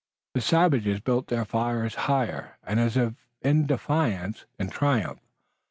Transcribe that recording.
The savages built their fires higher, as if in defiance and triumph.